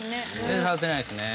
全然触ってないですね。